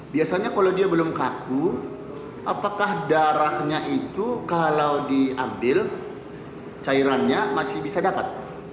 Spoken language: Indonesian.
biasanya kalau dia belum kaku apakah darahnya itu kalau diambil cairannya masih bisa dapat